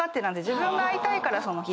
自分が会いたいからその日。